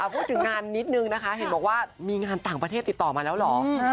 พูดถึงงานนิดนึงนะคะเห็นบอกว่ามีงานต่างประเทศติดต่อมาแล้วเหรอ